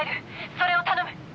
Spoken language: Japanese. それを頼む。